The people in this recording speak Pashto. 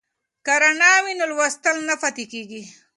که رڼا وي نو لوستل نه پاتې کیږي.